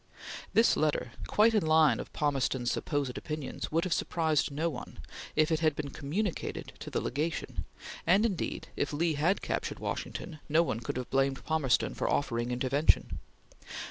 This letter, quite in the line of Palmerston's supposed opinions, would have surprised no one, if it had been communicated to the Legation; and indeed, if Lee had captured Washington, no one could have blamed Palmerston for offering intervention.